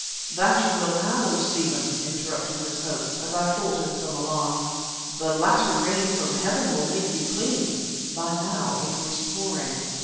"That you will have, O Stephen," interrupted Miss Hope, as I thought in some alarm. "The latter rain from heaven will make you clean." (By now it was pouring.)